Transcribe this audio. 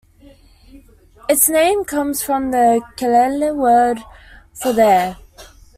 Its name comes from the Kele word for "there".